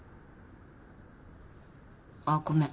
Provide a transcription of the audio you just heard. あっごめん。